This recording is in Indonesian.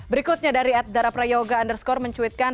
berikutnya dari adhara prayoga underscore mencuitkan